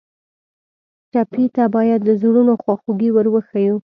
ټپي ته باید د زړونو خواخوږي ور وښیو.